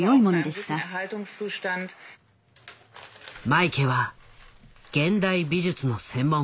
マイケは現代美術の専門家。